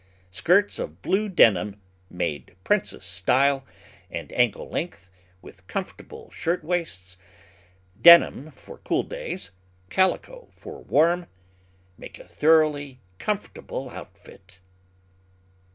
Skirts of blue denim, made Princess style, and ankle length, with comfortable shirt waists — denim for cool days, calico for warm — make a thoroughly comfortable outfit.